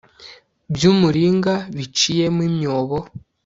by umuringa biciyemo imyobo